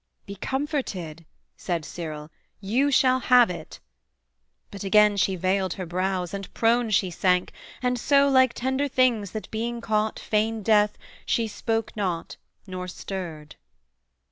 'Be comforted,' Said Cyril, 'you shall have it:' but again She veiled her brows, and prone she sank, and so Like tender things that being caught feign death, Spoke not, nor stirred.